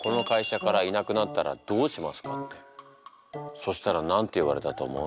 そしたら何て言われたと思う？